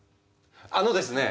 あのですね